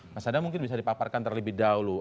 mas adam mungkin bisa dipaparkan terlebih dahulu